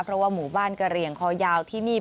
เพราะว่าหมู่บ้านกระเหลี่ยงคอยาวที่นี่